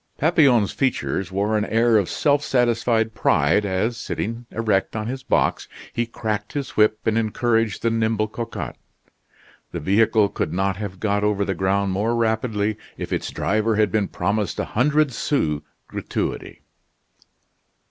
Papillon's features wore an air of self satisfied pride as, sitting erect on his box, he cracked his whip, and encouraged the nimble Cocotte. The vehicle could not have got over the ground more rapidly if its driver had been promised a hundred sous' gratuity.